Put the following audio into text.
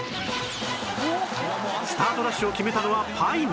スタートダッシュを決めたのはパイン